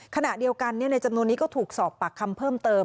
ขณะเดียวกันในจำนวนนี้ก็ถูกสอบปากคำเพิ่มเติม